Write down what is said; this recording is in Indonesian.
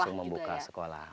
langsung membuka sekolah